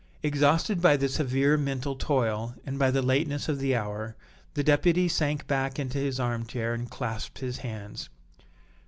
Exhausted by the severe mental toil, and by the lateness of the hour, the Deputy sank back into his arm chair and clasped his hands.